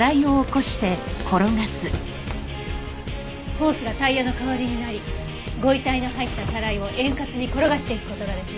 ホースがタイヤの代わりになりご遺体の入ったタライを円滑に転がしていく事ができます。